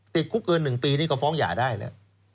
ติดคุกเกิน๑ปีนี่ก็ฟ้องหย่าได้นะ